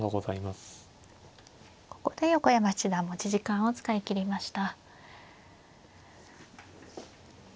ここで横山七段持ち時間を使い切りました。